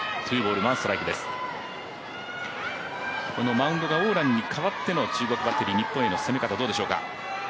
マウンドが王蘭に代わっての中国バッテリーの日本への攻め方どうでしょうか。